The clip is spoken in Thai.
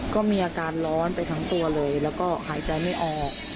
ก็มีอาการร้อนไปทั้งตัวเลยแล้วก็หายใจไม่ออก